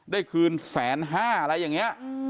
ได้คืน๑๐๕๐๐๐อะไรอย่างนี้